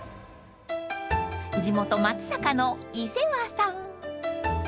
［地元松阪の伊勢和さん］